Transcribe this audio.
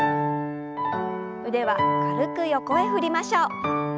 腕は軽く横へ振りましょう。